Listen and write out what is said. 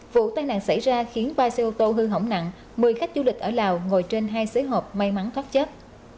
vụ tai nạn xảy ra khiến ba xe ô tô hư hỏng nặng một mươi khách du lịch ở lào ngồi trên hai xế hộp may mắn thoát chết